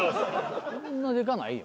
そんなでかないよ。